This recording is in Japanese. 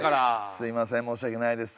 すみません申し訳ないです。